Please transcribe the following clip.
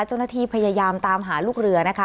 เจ้าหน้าที่พยายามตามหาลูกเรือนะคะ